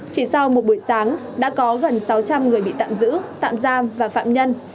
chỉ sau một buổi sáng đã có gần sáu trăm linh người bị tạm giữ tạm giam và phạm nhân